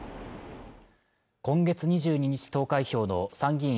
今月２２日投開票の参議院